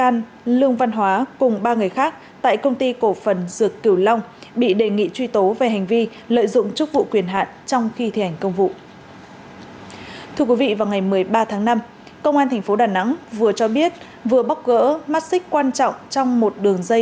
trong nhóm ông cao minh quang và hai bị can tại bộ y tế bị đề nghị truy tố hành vi thiếu trách nhiệm gây hậu quả nghiêm trọng